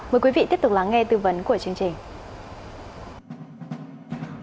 mời quý vị tiếp tục lắng nghe tư vấn của chương trình